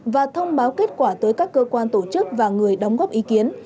và thông báo kết quả tới các cơ quan tổ chức và người đóng góp ý kiến